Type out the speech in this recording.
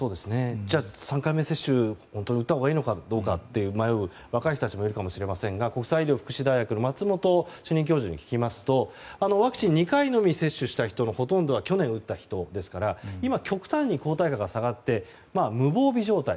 じゃあ３回目接種本当に打ったほうがいいのか迷ってしまう若い人たちもいるかもしれませんが国際医療福祉大学の松本主任教授に聞きますとワクチン、２回のみ接種した人のほとんどは去年打った人ですから今、極端に抗体価が下がって無防備状態。